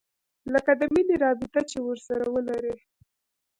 لکه د مينې رابطه چې ورسره ولري.